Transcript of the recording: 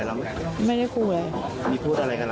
ตรงไหนตรงอ้อยเลยหรอ